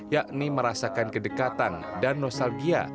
yakni merasakan kedekatan dan nostalgia